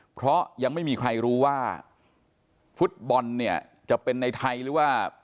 เพราะยังไม่มีใครรู้ว่าฟุตบอลเนี่ยจะเป็นในไทยหรือว่า